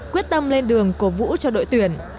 quyết tâm lên đường cổ vũ cho đội tuyển